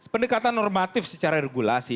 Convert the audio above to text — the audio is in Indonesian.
pendekatan normatif secara regulasi